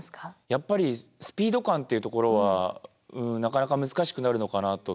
やっぱりスピード感っていうところはなかなか難しくなるのかなと。